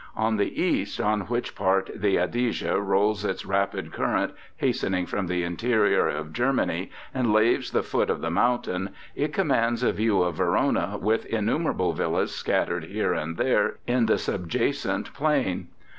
On the east, on which part the Adige rolls its rapid current, hastening from the interior of Germany, and laves the foot of the mountain, it commands a view of Verona, with in numerable villas scattered here and there in the sub jacent plain.